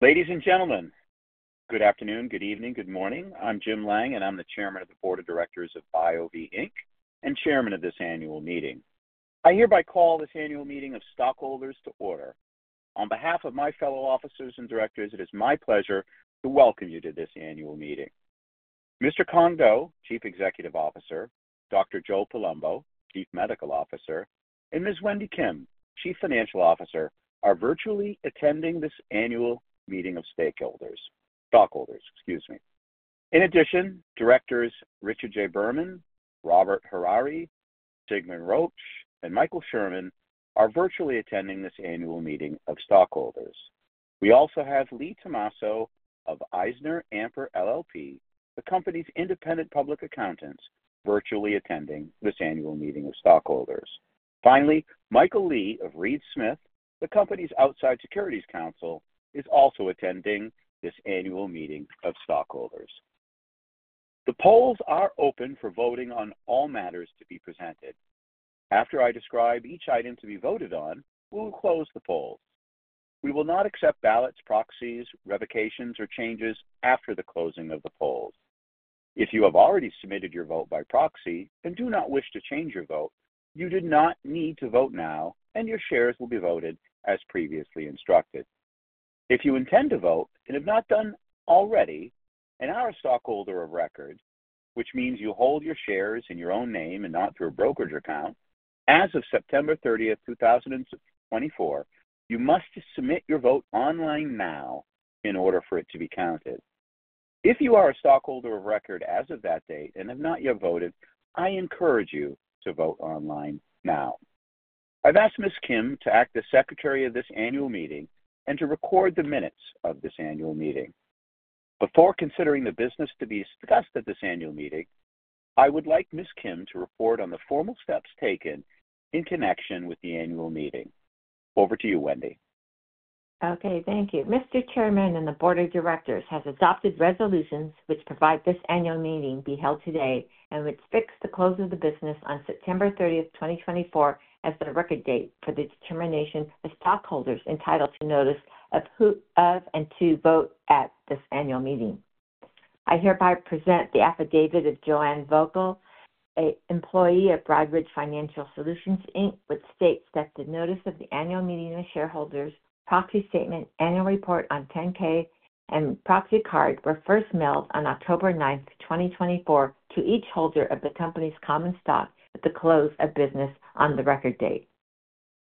Ladies and gentlemen, good afternoon, good evening, good morning. I'm Jim Lang, and I'm the Chairman of the Board of Directors of BioVie Inc. and Chairman of this annual meeting. I hereby call this annual meeting of stockholders to order. On behalf of my fellow officers and directors, it is my pleasure to welcome you to this annual meeting. Mr. Cuong Do, Chief Executive Officer, Dr. Joe Palumbo, Chief Medical Officer, and Ms. Wendy Kim, Chief Financial Officer, are virtually attending this annual meeting of stakeholders, stockholders, excuse me. In addition, directors Richard J. Berman, Robert Hariri, Sigmund Rogich, and Michael Sherman are virtually attending this annual meeting of stockholders. We also have Lee Tomasso of EisnerAmper LLP, the company's independent public accountants, virtually attending this annual meeting of stockholders. Finally, Michael Lee of Reed Smith, the company's outside securities counsel, is also attending this annual meeting of stockholders. The polls are open for voting on all matters to be presented. After I describe each item to be voted on, we will close the polls. We will not accept ballots, proxies, revocations, or changes after the closing of the polls. If you have already submitted your vote by proxy and do not wish to change your vote, you do not need to vote now, and your shares will be voted as previously instructed. If you intend to vote and have not done already, and are a stockholder of record, which means you hold your shares in your own name and not through a brokerage account, as of September 30, 2024, you must submit your vote online now in order for it to be counted. If you are a stockholder of record as of that date and have not yet voted, I encourage you to vote online now. I've asked Ms. Kim to act as Secretary of this annual meeting and to record the minutes of this annual meeting. Before considering the business to be discussed at this annual meeting, I would like Ms. Kim to report on the formal steps taken in connection with the annual meeting. Over to you, Wendy. Okay, thank you. Mr. Chairman and the Board of Directors have adopted resolutions which provide this annual meeting be held today and which fix the close of business on September 30, 2024, as the record date for the determination of stockholders entitled to notice thereof and to vote at this annual meeting. I hereby present the affidavit of Joanne Vogel, an employee of Broadridge Financial Solutions Inc., which states that the notice of the annual meeting of shareholders, proxy statement, annual report on 10-K, and proxy card were first mailed on October 9, 2024, to each holder of the company's common stock at the close of business on the record date.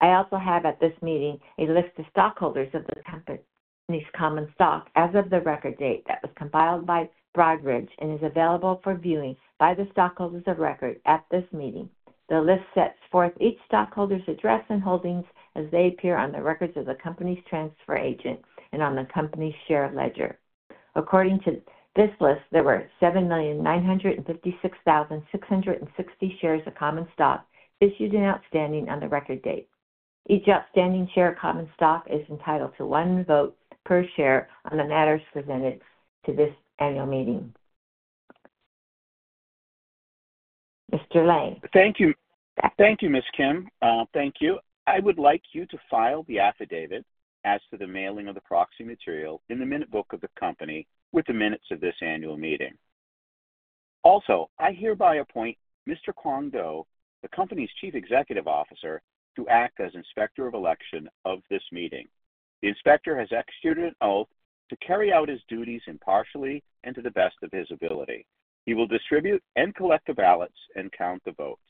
I also have at this meeting a list of stockholders of the company's common stock as of the record date that was compiled by Broadridge and is available for viewing by the stockholders of record at this meeting. The list sets forth each stockholder's address and holdings as they appear on the records of the company's transfer agent and on the company's share ledger. According to this list, there were 7,956,660 shares of common stock issued and outstanding on the record date. Each outstanding share of common stock is entitled to one vote per share on the matters presented to this annual meeting. Mr. Lang. Thank you. Thank you, Ms. Kim. Thank you. I would like you to file the affidavit as to the mailing of the proxy material in the minute book of the company with the minutes of this annual meeting. Also, I hereby appoint Mr. Do, the company's Chief Executive Officer, to act as Inspector of Election of this meeting. The Inspector has executed an oath to carry out his duties impartially and to the best of his ability. He will distribute and collect the ballots and count the votes.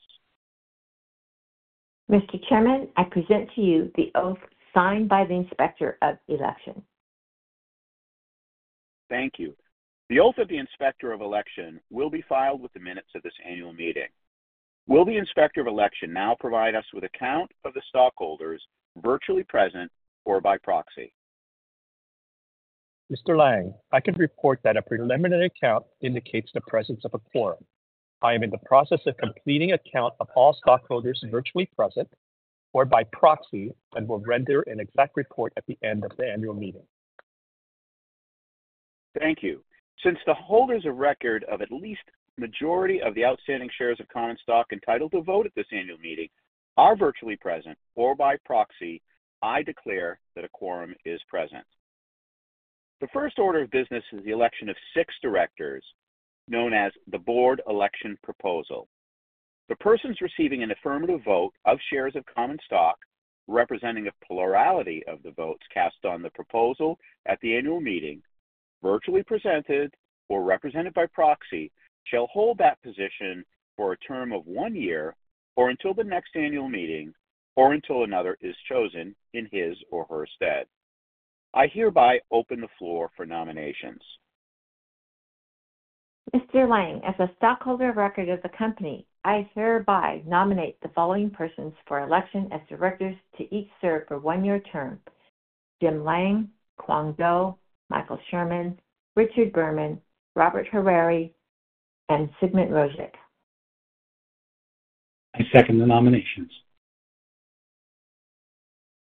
Mr. Chairman, I present to you the oath signed by the Inspector of Election. Thank you. The oath of the Inspector of Election will be filed with the minutes of this annual meeting. Will the Inspector of Election now provide us with a count of the stockholders virtually present or by proxy? Mr. Lang, I can report that a preliminary count indicates the presence of a quorum. I am in the process of completing a count of all stockholders virtually present or by proxy and will render an exact report at the end of the annual meeting. Thank you. Since the holders of record of at least the majority of the outstanding shares of common stock entitled to vote at this annual meeting are virtually present or by proxy, I declare that a quorum is present. The first order of business is the election of six directors, known as the Board Election Proposal. The persons receiving an affirmative vote of shares of common stock representing a plurality of the votes cast on the proposal at the annual meeting, virtually presented or represented by proxy, shall hold that position for a term of one year or until the next annual meeting or until another is chosen in his or her stead. I hereby open the floor for nominations. Mr. Lang, as a stockholder of record of the company, I hereby nominate the following persons for election as directors to each serve for one-year term: Jim Lang, Cuong Do, Michael Sherman, Richard Berman, Robert Hariri, and Sigmund Rogich. I second the nominations.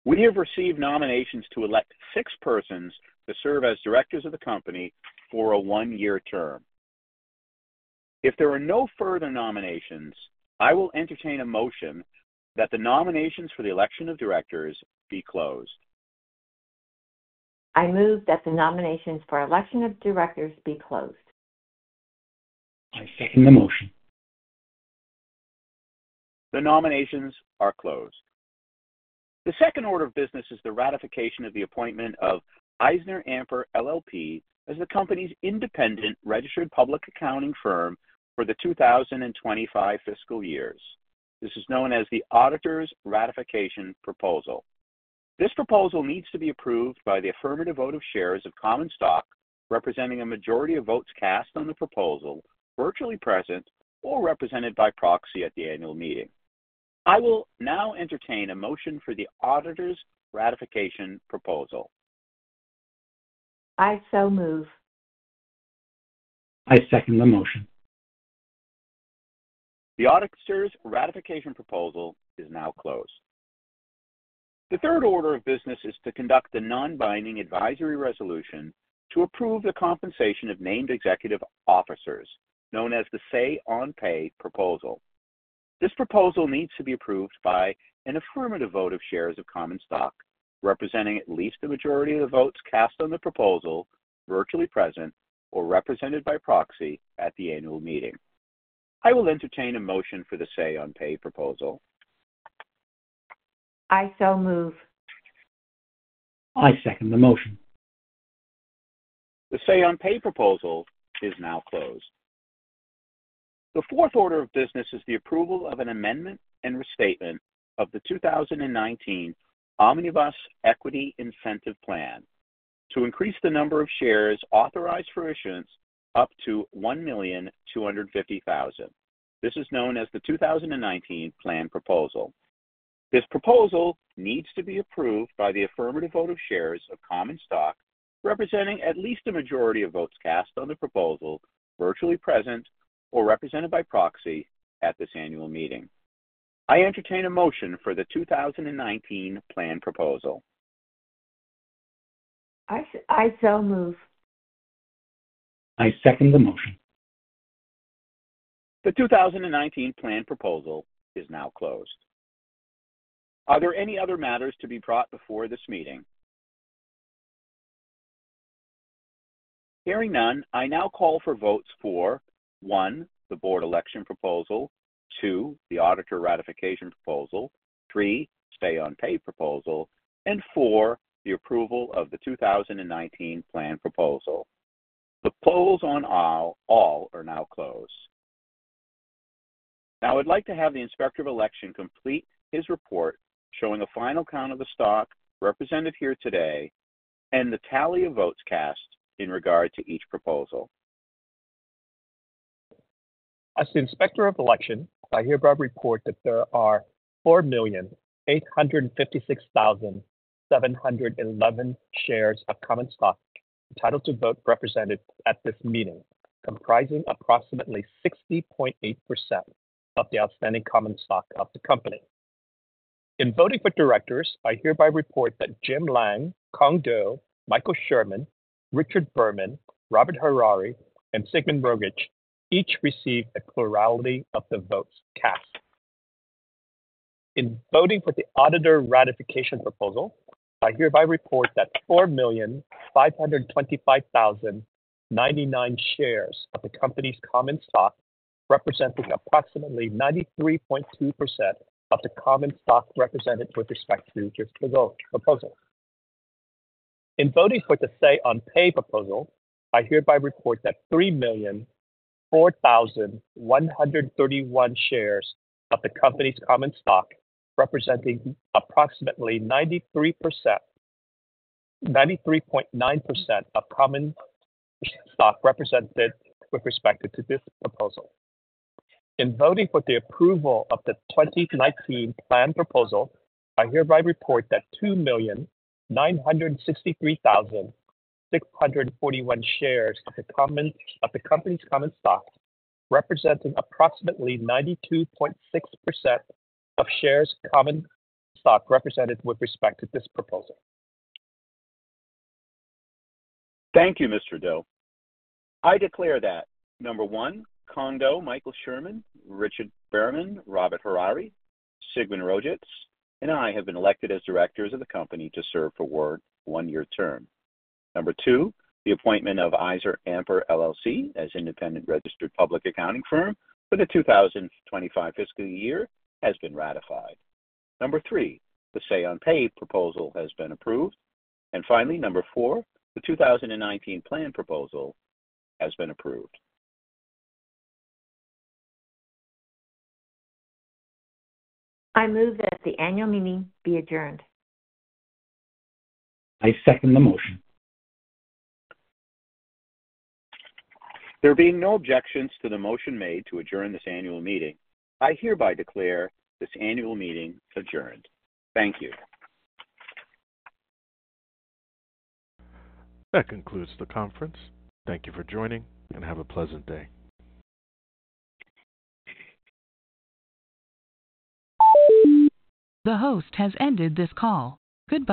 We have received nominations to elect six persons to serve as directors of the company for a one-year term. If there are no further nominations, I will entertain a motion that the nominations for the election of directors be closed. I move that the nominations for election of directors be closed. I second the motion. The nominations are closed. The second order of business is the ratification of the appointment of EisnerAmper LLP as the company's independent registered public accounting firm for the 2025 fiscal year. This is known as the Auditor's Ratification Proposal. This proposal needs to be approved by the affirmative vote of shares of common stock representing a majority of votes cast on the proposal, virtually present or represented by proxy at the annual meeting. I will now entertain a motion for the Auditor's Ratification Proposal. I so move. I second the motion. The Auditor's Ratification Proposal is now closed. The third order of business is to conduct the non-binding advisory resolution to approve the compensation of named executive officers, known as the Say-On-Pay Proposal. This proposal needs to be approved by an affirmative vote of shares of common stock representing at least the majority of the votes cast on the proposal, virtually present or represented by proxy at the annual meeting. I will entertain a motion for the Say-On-Pay Proposal. I so move. I second the motion. The Say-On-Pay Proposal is now closed. The fourth order of business is the approval of an amendment and restatement of the 2019 Omnibus Equity Incentive Plan to increase the number of shares authorized for issuance up to 1,250,000. This is known as the 2019 Plan Proposal. This proposal needs to be approved by the affirmative vote of shares of common stock representing at least the majority of votes cast on the proposal, virtually present or represented by proxy at this annual meeting. I entertain a motion for the 2019 Plan Proposal. I so move. I second the motion. The 2019 Plan Proposal is now closed. Are there any other matters to be brought before this meeting? Hearing none, I now call for votes for: one, the Board Election Proposal. Two, the Auditor Ratification Proposal. Three, the Say-On-Pay Proposal. And four, the approval of the 2019 Plan Proposal. The polls on all are now closed. Now, I would like to have the Inspector of Election complete his report showing a final count of the stock represented here today and the tally of votes cast in regard to each proposal. As the Inspector of Election, I hereby report that there are 4,856,711 shares of common stock entitled to vote represented at this meeting, comprising approximately 60.8% of the outstanding common stock of the company. In voting for directors, I hereby report that Jim Lang, Cuong Do, Michael Sherman, Richard Berman, Robert Hariri, and Sigmund Rogich each received a plurality of the votes cast. In voting for the Auditor Ratification Proposal, I hereby report that 4,525,099 shares of the company's common stock representing approximately 93.2% of the common stock represented with respect to just the vote proposal. In voting for the Say-On-Pay Proposal, I hereby report that 3,004,131 shares of the company's common stock representing approximately 93.9% of common stock represented with respect to this proposal. In voting for the approval of the 2019 Plan Proposal, I hereby report that 2,963,641 shares of the company's common stock representing approximately 92.6% of shares of common stock represented with respect to this proposal. Thank you, Mr. Do. I declare that, number one, Cuong Do, Michael Sherman, Richard Berman, Robert Harari, Sigmund Rogich, and I have been elected as directors of the company to serve for one-year term. Number two, the appointment of EisnerAmper LLP as independent registered public accounting firm for the 2025 fiscal year has been ratified. Number three, the Say-On-Pay Proposal has been approved. And finally, number four, the 2019 Plan Proposal has been approved. I move that the annual meeting be adjourned. I second the motion. There being no objections to the motion made to adjourn this annual meeting, I hereby declare this annual meeting adjourned. Thank you. That concludes the conference. Thank you for joining and have a pleasant day. The host has ended this call. Goodbye.